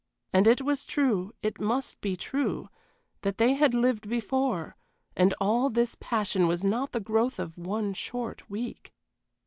And it was true it must be true that they had lived before, and all this passion was not the growth of one short week.